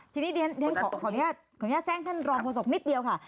ทีนี้ขอแจ้งท่านรองประสบนิดเดียวค่ะ